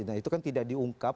nah itu kan tidak diungkap